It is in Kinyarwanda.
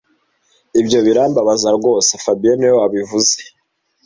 Ibyo birambabaza rwose fabien niwe wabivuze